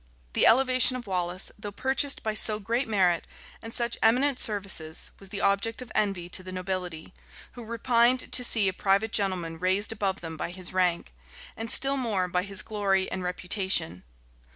The elevation of Wallace, though purchased by so great merit, and such eminent services, was the object of envy to the nobility, who repined to see a private gentleman raised above them by his rank, and still more by his glory and reputation.